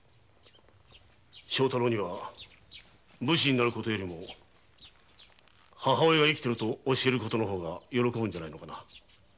正太郎には武士になる事よりも「母上が生きてる」と教える方が喜ぶのではないかな？